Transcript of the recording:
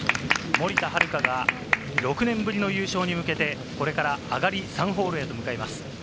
森田遥が６年ぶりの優勝に向けて、これから上がり３ホールへと向かいます。